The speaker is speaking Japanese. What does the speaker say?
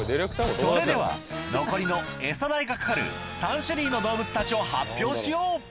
それでは残りのエサ代がかかる３種類の動物たちを発表しよう！